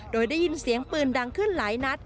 โดยได้ยินเสียงปืนดังขึ้นหลายนัด